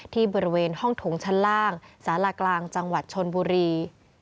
ที่บริเวณห้องโถงชั้นล่างสารากลางจังหวัดชนบุรี